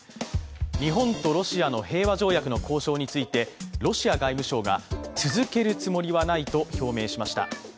日本とロシアの平和条約の交渉についてロシア外務省が続けるつもりはないと表明しました。